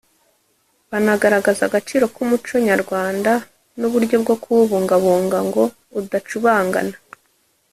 banagaragaza agaciro k’umuco nyarwanda n’uburyo bwo kuwubungabunga ngo udacubangana